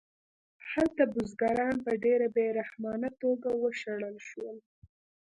هلته بزګران په ډېره بې رحمانه توګه وشړل شول